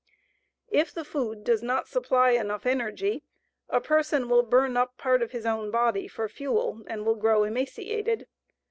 If the food does not supply enough energy, a person will burn up part of his own body for fuel and will grow emaciated.